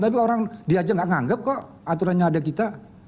tapi orang diajak nggak nganggap kok aturannya ada kita